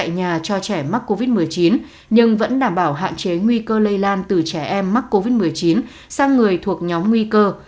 học sinh vẫn đang thực hiện các biện pháp chăm sóc tại nhà cho trẻ mắc covid một mươi chín nhưng vẫn đảm bảo hạn chế nguy cơ lây lan từ trẻ em mắc covid một mươi chín sang người thuộc nhóm nguy cơ